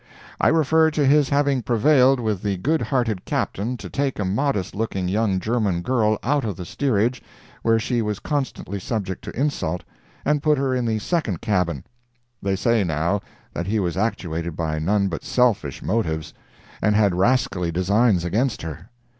I refer to his having prevailed with the good hearted Captain to take a modest looking young German girl out of the steerage, where she was constantly subject to insult, and put her in the second cabin. They say now, that he was actuated by none but selfish motives, and had rascally designs against her.